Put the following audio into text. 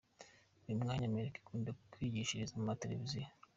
Uyu munya Amerika akunda kwigishiriza ku mateleviziyo.